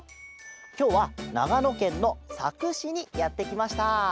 きょうはながのけんのさくしにやってきました。